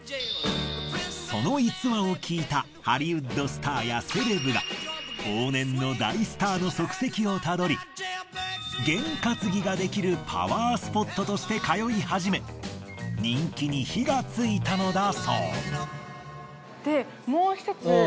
その逸話を聞いたハリウッドスターやセレブが往年の大スターの足跡をたどり験担ぎができるパワースポットとして通い始め人気に火がついたのだそう。